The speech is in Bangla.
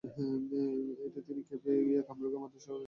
এতে তিনি খেপে গিয়ে কামরুলকে মারধর করাসহ ধারালো অস্ত্র দিয়ে আঘাত করেন।